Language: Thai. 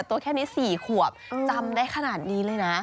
ตัวแค่นี้๔ขวบจำได้ขนาดนี้เลยนะ